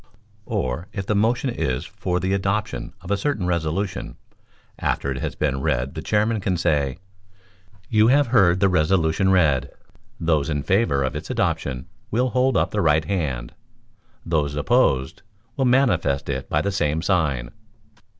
Or, if the motion is for the adoption of a certain resolution, after it has been read the Chairman can say, "You have heard the resolution read; those in favor of its adoption will hold up the right hand; those opposed will manifest it by the same sign."